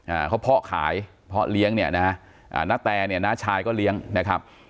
อ่าเขาเพาะขายเพาะเลี้ยงเนี่ยนะฮะอ่านาแตเนี่ยน้าชายก็เลี้ยงนะครับ